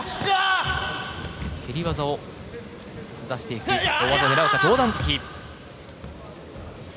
蹴り技を出していく大技を狙うか、上段突き。